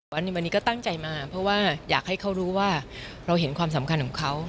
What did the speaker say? วันนี้ก็ตั้งใจมาเพราะว่าอยากให้เขารู้ว่าเราเห็นความสำคัญของเขา